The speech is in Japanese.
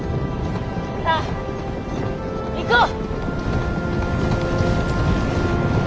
さあ行こう。